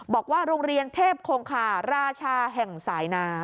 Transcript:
บอกว่าโรงเรียนเทพคงคาราชาแห่งสายน้ำ